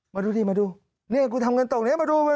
มาดูดิมาดูเนี่ยกูทำเงินตรงนี้มาดู